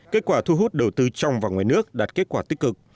kết quả thu hút đầu tư trong và ngoài nước đạt kết quả tích cực